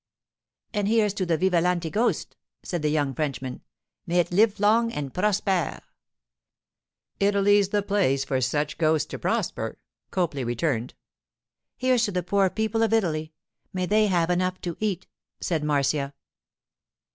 'And here's to the Vivalanti ghost!' said the young Frenchman. 'May it lif long and prosper!' 'Italy's the place for such ghosts to prosper,' Copley returned. 'Here's to the poor people of Italy—may they have enough to eat!' said Marcia.